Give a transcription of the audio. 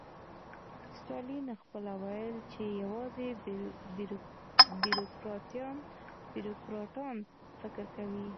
ستالین پخپله ویل چې یوازې بیروکراټان فکر کوي